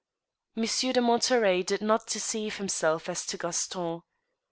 Monsieur de Monterey did not deceive himself as to Gaston.